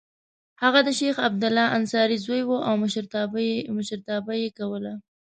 هغه د شیخ عبدالله انصاري زوی و او مشرتابه یې کوله.